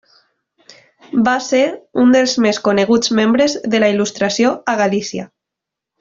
Va ser un dels més coneguts membres de la Il·lustració a Galícia.